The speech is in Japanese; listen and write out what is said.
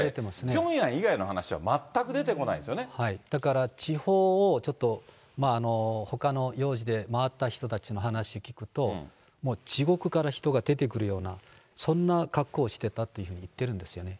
ピョンヤン以外の話は全く出だから、地方をちょっと、ほかの用事で回った人たちの話聞くと、もう地獄から人が出てくるような、そんな格好してたっていうふうに言ってるんですよね。